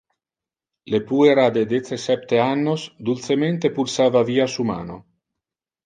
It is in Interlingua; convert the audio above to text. Le puera de dece septe annos dulcemente pulsava via su mano.